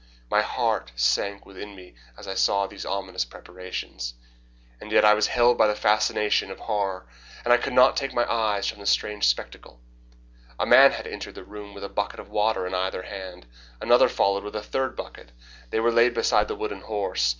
My heart sank within me as I saw these ominous preparations, and yet I was held by the fascination of horror, and I could not take my eyes from the strange spectacle. A man had entered the room with a bucket of water in either hand. Another followed with a third bucket. They were laid beside the wooden horse.